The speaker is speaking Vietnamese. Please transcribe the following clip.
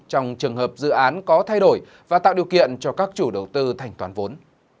trong trường hợp dự án có thay đổi và tạo điều kiện cho các chủ đầu tư thành toán vốn